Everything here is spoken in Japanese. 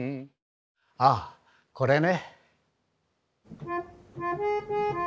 あこれね。